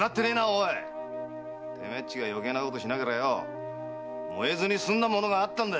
おめえらが余計なことしなけりゃ燃えずに済んだ物があったんだ。